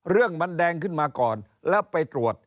เรื่องมันแดงขึ้นมาก่อนแล้วไปตรวจ